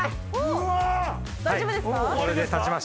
大丈夫ですか？